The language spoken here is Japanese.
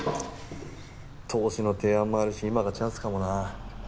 投資の提案もあるし今がチャンスかもな。